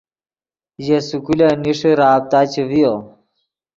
ژے سکولن نیݰے رابطہ چے ڤیو